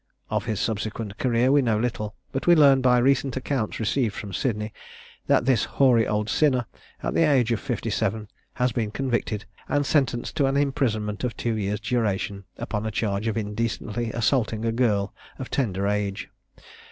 Of his subsequent career we know little, but we learn by recent accounts received from Sydney, that this hoary old sinner, at the age of fifty seven, has been convicted and sentenced to an imprisonment of two years' duration, upon a charge of indecently assaulting a girl of tender age.